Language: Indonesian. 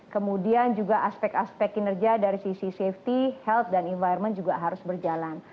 kemudian juga aspek aspek kinerja dari sisi safety health dan environment juga harus berjalan